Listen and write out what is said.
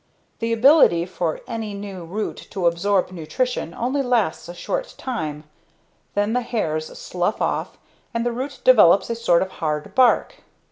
The ability for any new root to absorb nutrition only lasts a short time, then the hairs slough off and the root develops a sort of hard bark.